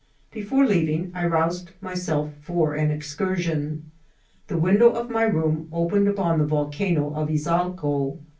Before leaving I roused myself for an excursion. The window of my room opened upon the Volcano of Izalco.